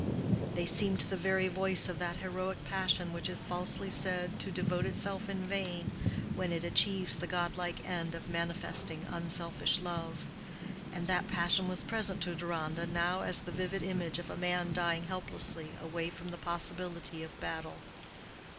] they seemed the very voice of that heroic passion which is falsely said to devote itself in vain when it achieves the godlike end of manifesting unselfish love. And that passion was present to Deronda now as the vivid image of a man dying helplessly away from the possibility of battle.